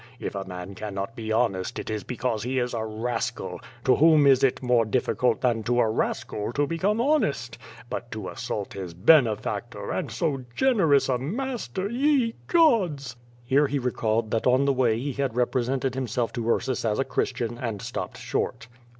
If a man cannot be hon est it is because he is a rascal. . To whom is it more difficult than to a rascal to become honest? But to assault his bene factor, and so generous a master, ye gods!'' Here he recalled that on the way he had represented himself to Ursus as a Christian, and stopped short.